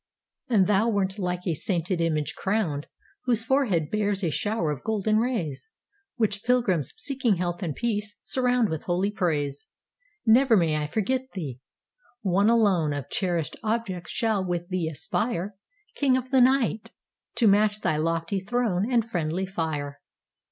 And thou wert like a sainted image crowned, Whose forehead bears a shower of golden rays, Which pilgrims, seeking health and peace, surroundWith holy praise. Never may I forget thee! One aloneOf cherished objects shall with thee aspire, King of the night! to match thy lofty throneAnd friendly fire.